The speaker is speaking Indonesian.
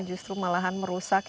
justru malahan merusak